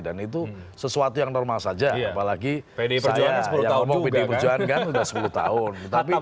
dan itu sesuatu yang normal saja apalagi saya yang berpd perjuangan sudah sepuluh tahun